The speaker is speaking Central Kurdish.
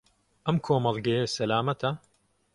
ئەم کۆمەڵگەیە سەلامەتە؟